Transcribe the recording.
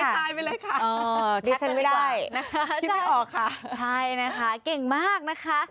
คือลอยตายไปเลยค่ะดีเซ็นต์ไม่ได้คิดไม่ออกค่ะใช่นะคะเก่งมากนะคะ